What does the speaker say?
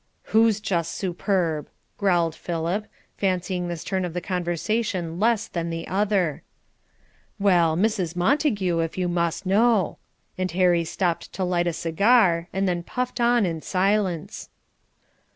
"Who's just superb?" growled Philip, fancying this turn of the conversation less than the other. "Well, Mrs. Montague, if you must know." And Harry stopped to light a cigar, and then puffed on in silence.